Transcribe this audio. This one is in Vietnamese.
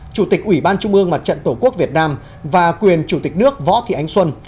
chủ tịch ủy ban trung ương mặt trận tổ quốc việt nam và quyền chủ tịch nước võ thị ánh xuân